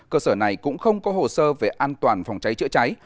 cơ sở này cũng không có hồ sơ về an toàn phòng cháy chữa cháy